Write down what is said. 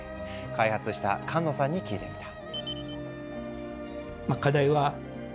開発した菅野さんに聞いてみた。